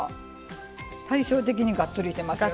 対照的にがっつりいけますよね。